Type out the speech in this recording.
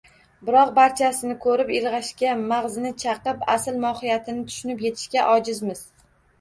Biroq barchasini ko`rib ilg`ashga, mag`zini chaqib, asl mohiyatini tushunib etishga ojizmiz